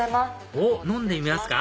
おっ飲んでみますか？